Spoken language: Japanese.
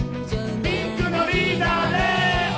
ピンクのリーダーれお！